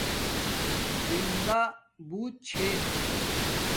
زندݳ بوت چھے